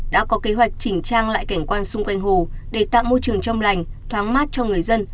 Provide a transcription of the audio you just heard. đã có kế hoạch chỉnh trang lại cảnh quan xung quanh hồ để tạo môi trường trong lành thoáng mát cho người dân